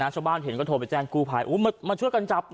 ชาวบ้านเห็นก็โทรไปแจ้งกู้ภัยมาช่วยกันจับ